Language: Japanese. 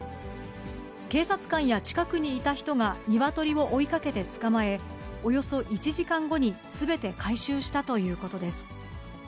警察官や近くにいた人が鶏を追いかけて捕まえ、およそ１時間後にすべて回収したということです。